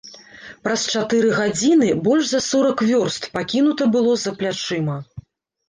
Праз чатыры гадзіны больш за сорак вёрст пакінута было за плячыма.